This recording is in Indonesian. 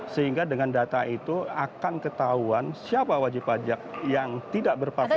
sehingga dengan data itu akan ketahuan siapa wajib pajak yang tidak berparkir